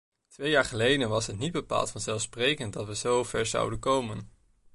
Twee jaar geleden was het niet bepaald vanzelfsprekend dat we zo ver zouden komen.